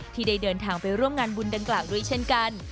ที่ได้เดินทางไปร่วมงานบุญดังกล่าวด้วยเช่นกัน